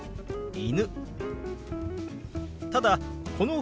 「犬」。